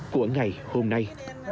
của ngày hôm nay